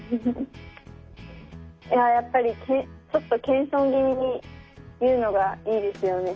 いややっぱりちょっと謙遜気味に言うのがいいですよね。